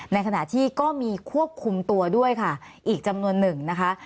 ในขณะที่ก็มีควบคุมตัวด้วยค่ะอีกจำนวนหนึ่งนะคะ